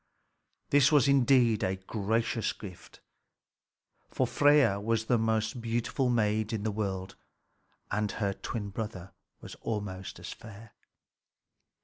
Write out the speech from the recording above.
This was indeed a gracious gift; for Freia was the most beautiful maid in the world, and her twin brother was almost as fair.